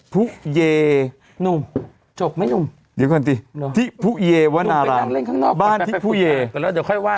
ผู้เยนุ่มจบไหมนุ่มที่ผู้เยวะนารามบ้านที่ผู้เยแล้วเดี๋ยว